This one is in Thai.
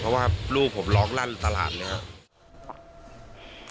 เพราะว่าลูกผมร้องลั่นตลาดเลยครับ